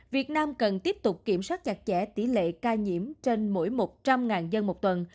việt nam cần tiếp tục kiểm soát chặt chẽ tỷ lệ ca nhiễm trên mỗi một trăm linh dân một tuần